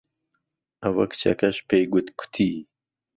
ئەوه کچهکهش پێیگوتکوتی